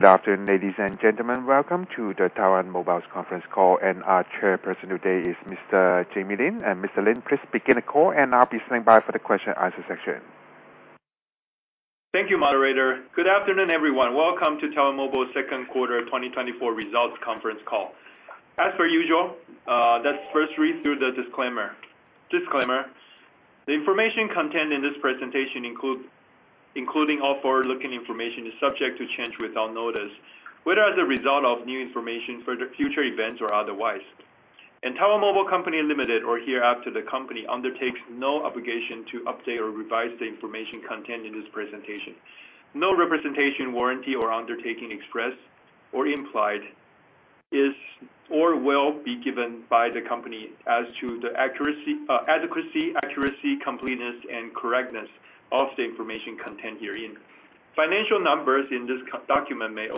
Good afternoon, ladies and gentlemen. Welcome to the Taiwan Mobile's conference call, and our chairperson today is Mr. Jamie Lin. Mr. Lin, please begin the call, and I'll be standing by for the question-and-answer session. Thank you, Moderator. Good afternoon, everyone. Welcome to Taiwan Mobile's second quarter 2024 results conference call. As per usual, let's first read through the disclaimer. Disclaimer: The information contained in this presentation, including all forward-looking information, is subject to change without notice, whether as a result of new information, future events, or otherwise. Taiwan Mobile Company Limited, or hereafter the company, undertakes no obligation to update or revise the information contained in this presentation. No representation, warranty, or undertaking expressed or implied is or will be given by the company as to the adequacy, accuracy, completeness, and correctness of the information contained herein. Financial numbers in this document may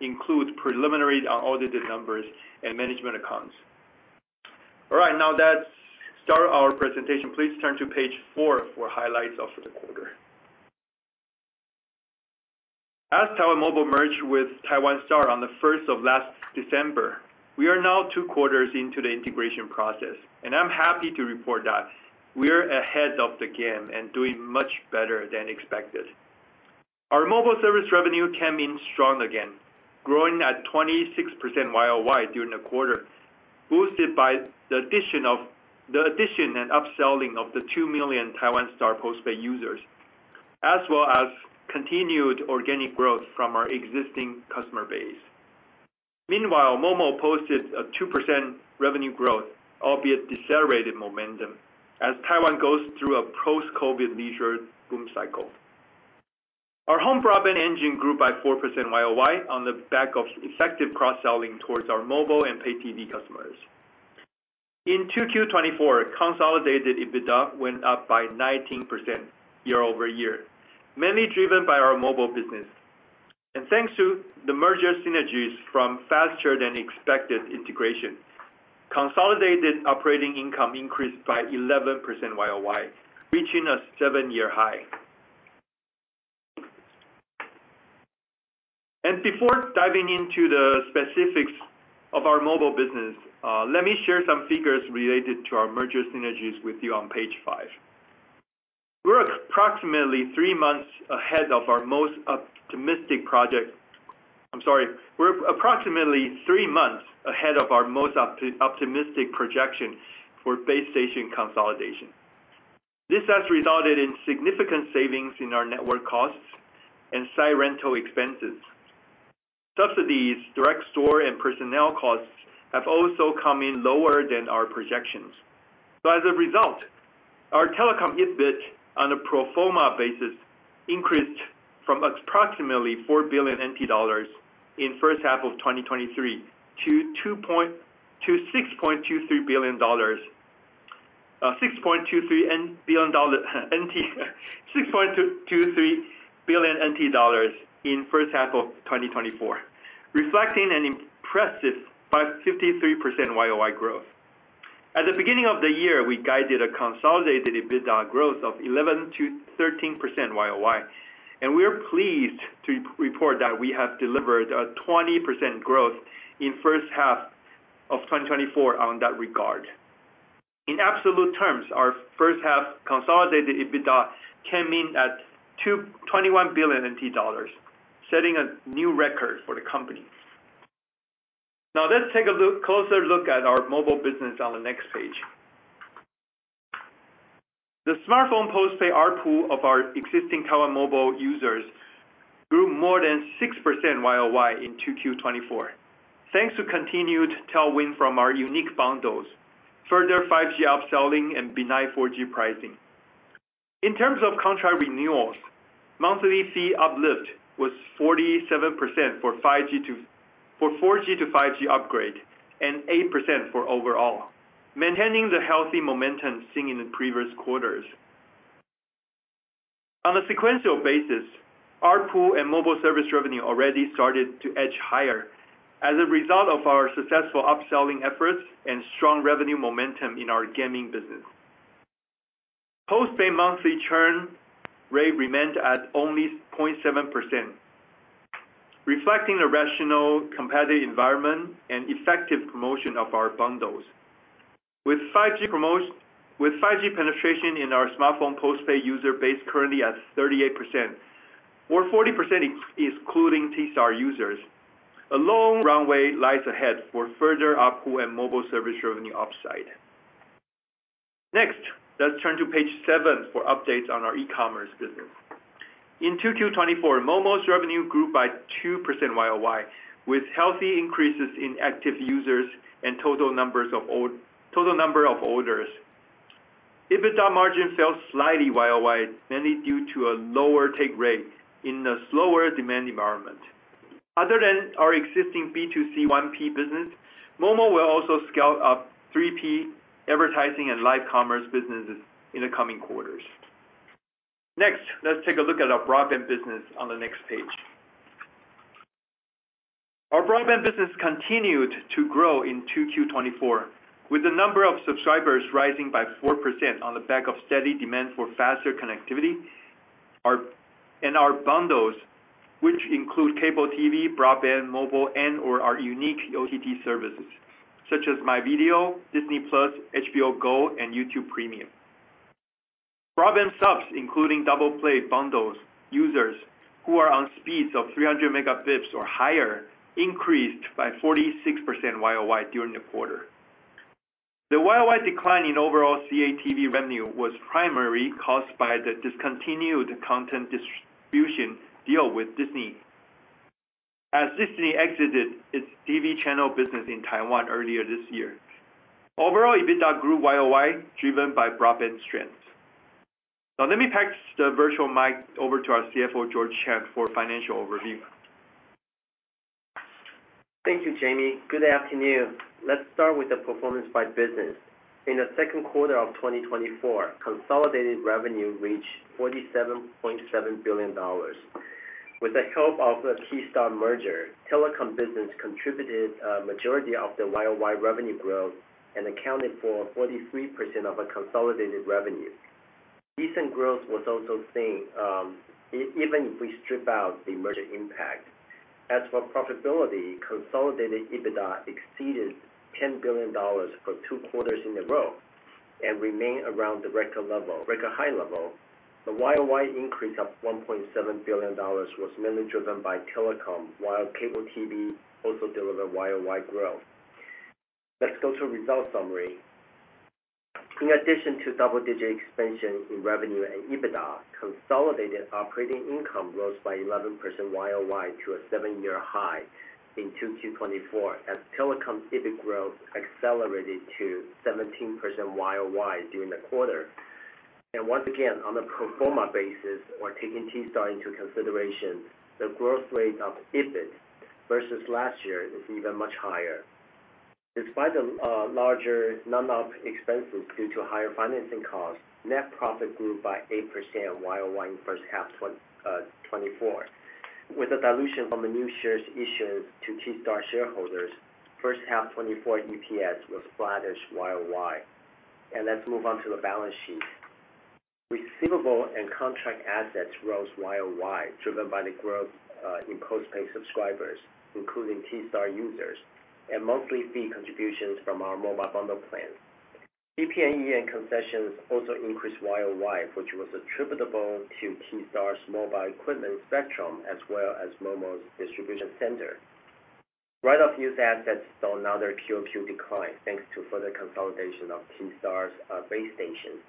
include preliminary and audited numbers and management accounts. All right, now that's started our presentation, please turn to page four for highlights of the quarter. As Taiwan Mobile merged with Taiwan Star on the first of last December, we are now two quarters into the integration process, and I'm happy to report that we are ahead of the game and doing much better than expected. Our mobile service revenue came in strong again, growing at 26% YoY during the quarter, boosted by the addition and upselling of the 2 million Taiwan Star postpaid users, as well as continued organic growth from our existing customer base. Meanwhile, MOMO posted a 2% revenue growth, albeit decelerated momentum, as Taiwan goes through a post-COVID leisure boom cycle. Our home broadband engine grew by 4% YoY on the back of effective cross-selling towards our mobile and pay-TV customers. In Q2 2024, consolidated EBITDA went up by 19% year-over-year, mainly driven by our mobile business. Thanks to the merger synergies from faster-than-expected integration, consolidated operating income increased by 11% YoY, reaching a seven-year high. Before diving into the specifics of our mobile business, let me share some figures related to our merger synergies with you on page five. We're approximately three months ahead of our most optimistic project. I'm sorry, we're approximately three months ahead of our most optimistic projection for base station consolidation. This has resulted in significant savings in our network costs and site rental expenses. Subsidies, direct store, and personnel costs have also come in lower than our projections. As a result, our telecom EBIT on a pro forma basis increased from approximately $4 billion in the first half of 2023 to $6.23 billion, $6.23 billion in the first half of 2024, reflecting an impressive 53% YoY growth. At the beginning of the year, we guided a consolidated EBITDA growth of 11%-13% YoY, and we're pleased to report that we have delivered a 20% growth in the first half of 2024 on that regard. In absolute terms, our first-half consolidated EBITDA came in at 21 billion NT dollars, setting a new record for the company. Now, let's take a closer look at our mobile business on the next page. The smartphone postpaid ARPU of our existing Taiwan Mobile users grew more than 6% YoY in Q2 2024, thanks to continued tailwind from our unique bundles, further 5G upselling, and benign 4G pricing. In terms of contract renewals, monthly fee uplift was 47% for 4G to 5G upgrade and 8% for overall, maintaining the healthy momentum seen in the previous quarters. On a sequential basis, ARPU and mobile service revenue already started to edge higher as a result of our successful upselling efforts and strong revenue momentum in our gaming business. Postpaid monthly churn rate remained at only 0.7%, reflecting a rational competitive environment and effective promotion of our bundles. With 5G penetration in our smartphone postpaid user base currently at 38%, or 40% excluding TSTAR users, a long runway lies ahead for further ARPU and mobile service revenue upside. Next, let's turn to page seven for updates on our e-commerce business. In Q2 2024, MOMO's revenue grew by 2% YoY, with healthy increases in active users and total number of orders. EBITDA margin fell slightly YoY, mainly due to a lower take rate in a slower demand environment. Other than our existing B2C 1P business, MOMO will also scale up 3P advertising and live commerce businesses in the coming quarters. Next, let's take a look at our broadband business on the next page. Our broadband business continued to grow in Q2 2024, with the number of subscribers rising by 4% on the back of steady demand for faster connectivity and our bundles, which include cable TV, broadband, mobile, and/or our unique OTT services, such as MyVideo, Disney+, HBO GO, and YouTube Premium. Broadband subs, including double-play bundles, users who are on speeds of 300 Mbps or higher, increased by 46% YoY during the quarter. The YoY decline in overall cable TV revenue was primarily caused by the discontinued content distribution deal with Disney, as Disney exited its TV channel business in Taiwan earlier this year. Overall, EBITDA grew YoY, driven by broadband strength. Now, let me pass the virtual mic over to our CFO, George Chang, for a financial overview. Thank you, Jamie. Good afternoon. Let's start with the performance by business. In the second quarter of 2024, consolidated revenue reached $47.7 billion. With the help of the TSTAR merger, telecom business contributed a majority of the YoY revenue growth and accounted for 43% of our consolidated revenue. Decent growth was also seen, even if we strip out the merger impact. As for profitability, consolidated EBITDA exceeded $10 billion for two quarters in a row and remained around the record high level. The YoY increase of $1.7 billion was mainly driven by telecom, while cable TV also delivered YoY growth. Let's go to the result summary. In addition to double-digit expansion in revenue and EBITDA, consolidated operating income rose by 11% YoY to a seven-year high in Q2 2024, as telecom EBIT growth accelerated to 17% YoY during the quarter. Once again, on a pro forma basis, or taking TSTAR into consideration, the growth rate of EBIT versus last year is even much higher. Despite the larger non-op expenses due to higher financing costs, net profit grew by 8% year-over-year in the first half of 2024. With the dilution from the new shares issued to TSTAR shareholders, the first half of 2024 EPS was flattish year-over-year. And let's move on to the balance sheet. Receivables and contract assets rose year-over-year, driven by the growth in postpaid subscribers, including TSTAR users, and monthly fee contributions from our mobile bundle plans. PP&E and concessions also increased year-over-year, which was attributable to TSTAR's mobile equipment spectrum, as well as MOMO's distribution center. Right-of-use assets saw another quarter-on-quarter decline, thanks to further consolidation of TSTAR's base stations.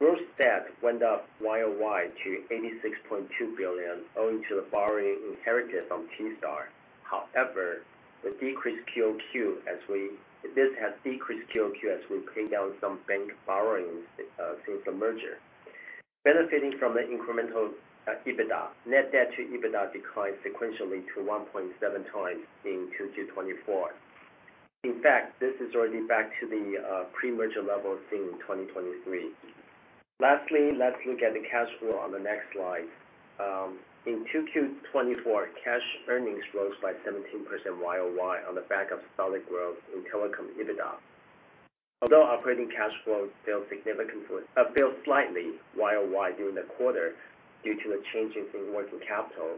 Gross debt went up year-over-year to $86.2 billion, owing to the borrowing inherited from TSTAR. However, this has decreased QoQ as we pay down some bank borrowings since the merger. Benefiting from the incremental EBITDA, net debt to EBITDA declined sequentially to 1.7x in Q2 2024. In fact, this is already back to the pre-merger level seen in 2023. Lastly, let's look at the cash flow on the next slide. In Q2 2024, cash earnings rose by 17% YoY on the back of solid growth in telecom EBITDA. Although operating cash flow fell slightly YoY during the quarter due to the changes in working capital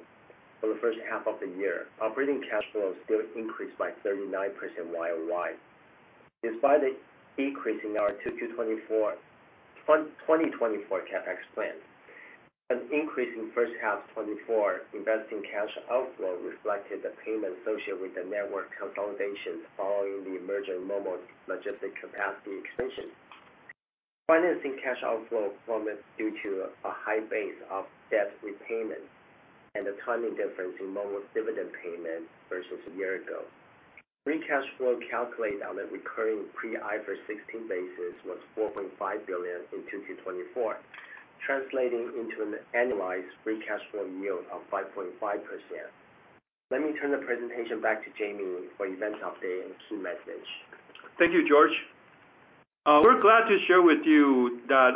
for the first half of the year, operating cash flow still increased by 39% YoY. Despite the decrease in our Q2 2024 CAPEX plan, an increase in the first half of 2024 investing cash outflow reflected the payment associated with the network consolidation following the emerging MOMO's logistic capacity expansion. Financing cash outflow plummeted due to a high base of debt repayment and the timing difference in MOMO's dividend payment versus a year ago. Free cash flow calculated on a recurring pre-IFRS 16 basis was 4.5 billion in Q2 2024, translating into an annualized free cash flow yield of 5.5%. Let me turn the presentation back to Jamie for event update and key message. Thank you, George. We're glad to share with you that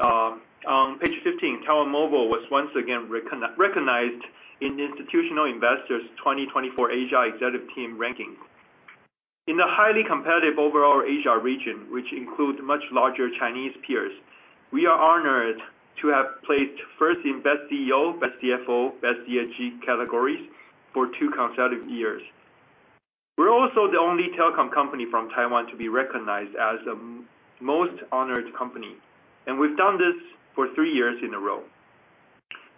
on page 15, Taiwan Mobile was once again recognized in the Institutional Investor's 2024 Asia Executive Team ranking. In a highly competitive overall Asia region, which includes much larger Chinese peers, we are honored to have placed first in Best CEO, Best CFO, Best ESG categories for two consecutive years. We're also the only telecom company from Taiwan to be recognized as a Most Honored Company, and we've done this for three years in a row.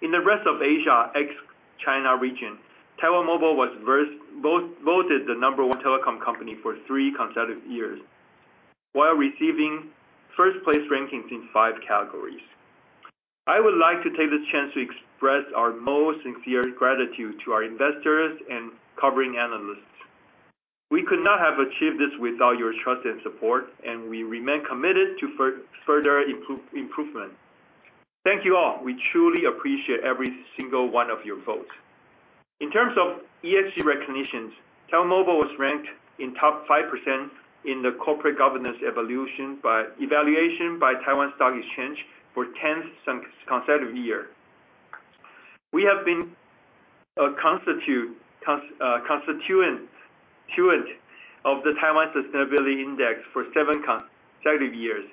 In the rest of the Asia ex-China region, Taiwan Mobile was voted the number one telecom company for three consecutive years, while receiving first place rankings in five categories. I would like to take this chance to express our most sincere gratitude to our investors and covering analysts. We could not have achieved this without your trust and support, and we remain committed to further improvement. Thank you all. We truly appreciate every single one of your votes. In terms of ESG recognitions, Taiwan Mobile was ranked in the top 5% in the corporate governance evaluation by Taiwan Stock Exchange for the 10th consecutive year. We have been a constituent of the Taiwan Sustainability Index for seven consecutive years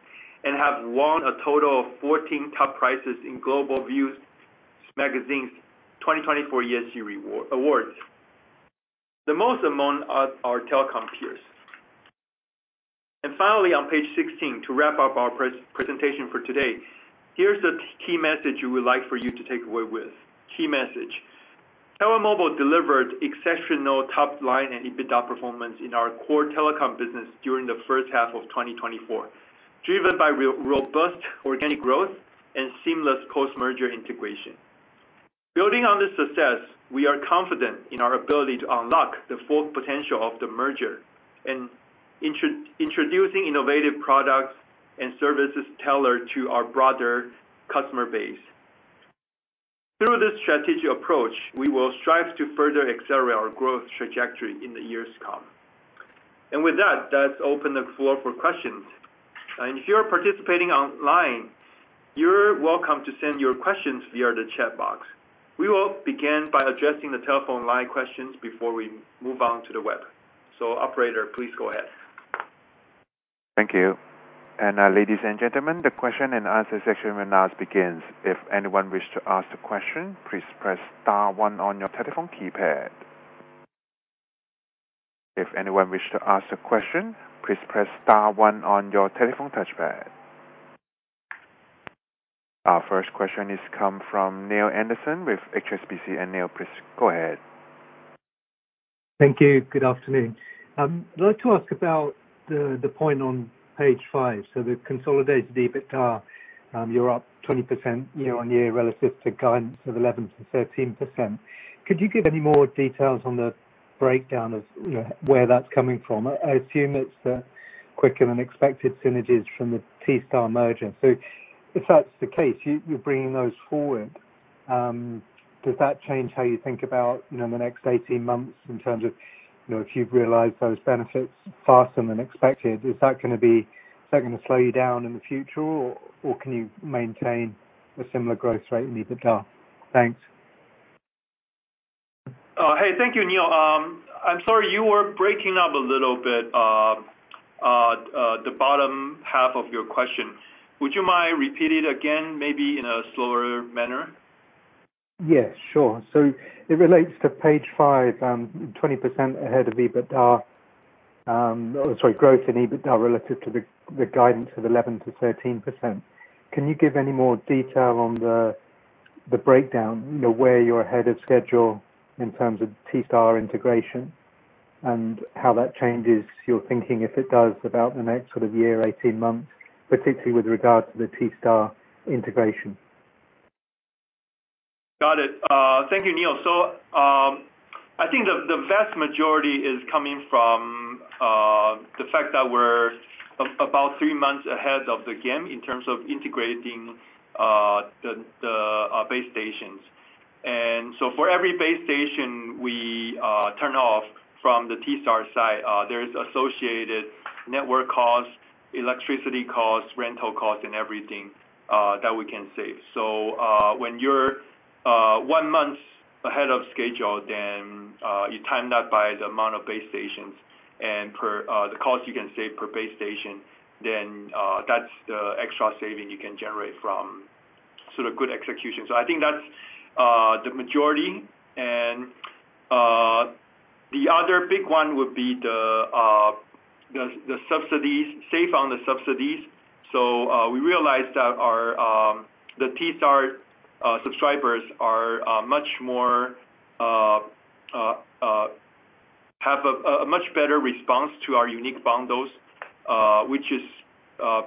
and have won a total of 14 top prizes in Global Views Magazine's 2024 ESG Awards. The most among our telecom peers. Finally, on page 16, to wrap up our presentation for today, here's the key message we would like for you to take away with. Key message. Taiwan Mobile delivered exceptional top-line and EBITDA performance in our core telecom business during the first half of 2024, driven by robust organic growth and seamless post-merger integration. Building on this success, we are confident in our ability to unlock the full potential of the merger and introducing innovative products and services tailored to our broader customer base. Through this strategic approach, we will strive to further accelerate our growth trajectory in the years to come. With that, let's open the floor for questions. If you're participating online, you're welcome to send your questions via the chat box. We will begin by addressing the telephone line questions before we move on to the web. Operator, please go ahead. Thank you. Ladies and gentlemen, the question and answer section now begins. If anyone wishes to ask a question, please press star one on your telephone keypad. If anyone wishes to ask a question, please press star one on your telephone touchpad. Our first question has come from Neil Anderson with HSBC and Neil. Please go ahead. Thank you. Good afternoon. I'd like to ask about the point on page five. So, the consolidated EBITDA, you're up 20% year-on-year relative to guidance of 11%-13%. Could you give any more details on the breakdown of where that's coming from? I assume it's quicker than expected synergies from the TSTAR merger. So, if that's the case, you're bringing those forward. Does that change how you think about the next 18 months in terms of if you've realized those benefits faster than expected? Is that going to be, is that going to slow you down in the future, or can you maintain a similar growth rate in EBITDA? Thanks. Hey, thank you, Neil. I'm sorry, you were breaking up a little bit, the bottom half of your question. Would you mind repeating it again, maybe in a slower manner? Yes, sure. So, it relates to page five, 20% ahead of EBITDA, sorry, growth in EBITDA relative to the guidance of 11%-13%. Can you give any more detail on the breakdown, where you're ahead of schedule in terms of TSTAR integration and how that changes your thinking, if it does, about the next sort of year, 18 months, particularly with regard to the TSTAR integration? Got it. Thank you, Neil. So, I think the vast majority is coming from the fact that we're about three months ahead of the game in terms of integrating the base stations. And so, for every base station we turn off from the TSTAR side, there's associated network costs, electricity costs, rental costs, and everything that we can save. So, when you're one month ahead of schedule, then you timed that by the amount of base stations and the cost you can save per base station, then that's the extra saving you can generate from sort of good execution. So, I think that's the majority. And the other big one would be the subsidies, save on the subsidies. So, we realized that the TSTAR subscribers have a much better response to our unique bundles, which is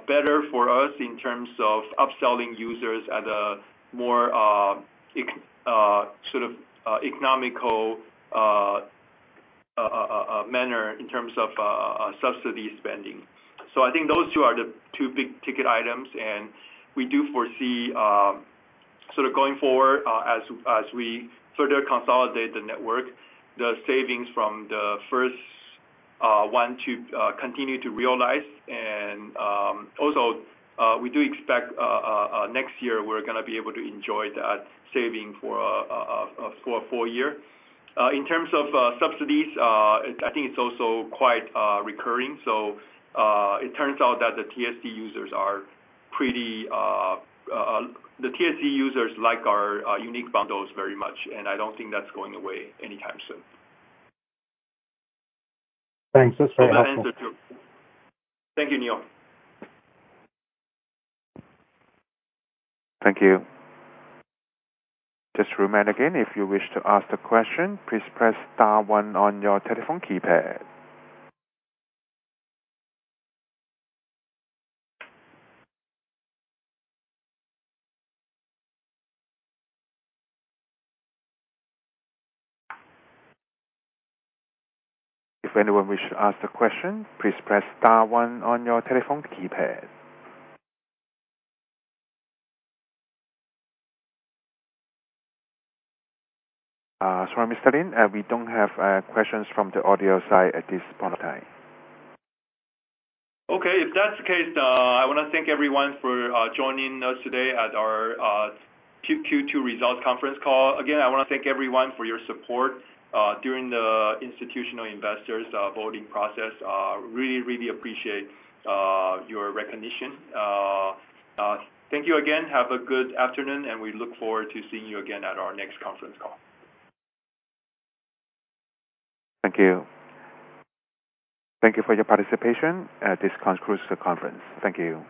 better for us in terms of upselling users at a more sort of economical manner in terms of subsidy spending. So, I think those two are the two big ticket items. And we do foresee sort of going forward, as we further consolidate the network, the savings from the first one to continue to realize. And also, we do expect next year we're going to be able to enjoy that saving for a full year. In terms of subsidies, I think it's also quite recurring. So, it turns out that the TSTAR users like our unique bundles very much. And I don't think that's going away anytime soon. Thanks. That's very helpful. Thank you, Neil. Thank you. Just a moment again. If you wish to ask a question, please press star one on your telephone keypad. If anyone wishes to ask a question, please press star one on your telephone keypad. Sorry, Mr. Lin, we don't have questions from the audio side at this point of time. Okay. If that's the case, I want to thank everyone for joining us today at our Q2 results conference call. Again, I want to thank everyone for your support during the Institutional Investors' voting process. Really, really appreciate your recognition. Thank you again. Have a good afternoon, and we look forward to seeing you again at our next conference call. Thank you. Thank you for your participation. This concludes the conference. Thank you.